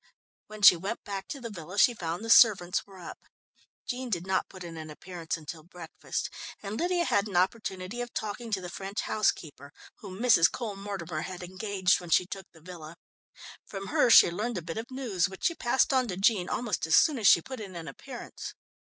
When she went back to the villa she found the servants were up. Jean did not put in an appearance until breakfast, and Lydia had an opportunity of talking to the French housekeeper whom Mrs. Cole Mortimer had engaged when she took the villa. From her she learnt a bit of news, which she passed on to Jean almost as soon as she put in an appearance.